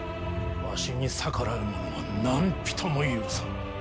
わしに逆らう者は何人も許さぬ。